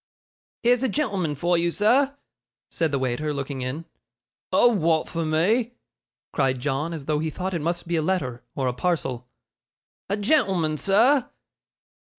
'Here's a gen'l'man for you, sir,' said the waiter, looking in. 'A wa'at for me?' cried John, as though he thought it must be a letter, or a parcel. 'A gen'l'man, sir.